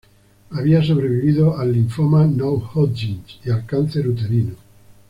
Había sobrevivido al linfoma no Hodgkin y al cáncer uterino.